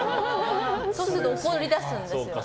そうすると怒り出すんです。